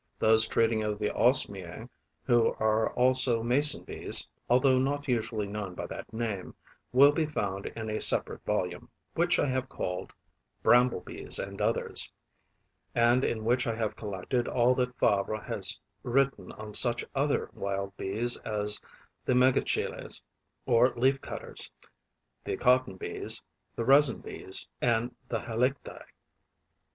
Those treating of the Osmiae, who are also Mason Bees, although not usually known by that name, will be found in a separate volume, which I have called "Bramble bees and Others" and in which I have collected all that Fabre has written on such other Wild Bees as the Megachiles, or Leaf cutters, the Cotton bees, the Resin bees and the Halicti.